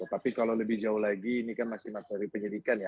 tapi kalau lebih jauh lagi ini kan masih materi penyidikan ya